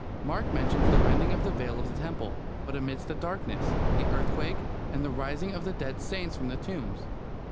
Mark mentions the rending of the veil of the temple, but omits the darkness, the earthquake, and the rising of the dead saints from the tombs.